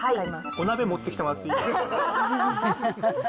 お鍋持ってきてもらっていいですか？